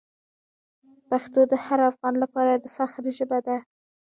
پښتو د هر افغان لپاره د فخر ژبه ده.